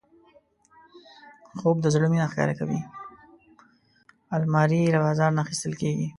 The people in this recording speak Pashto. الماري له بازار نه اخیستل کېږي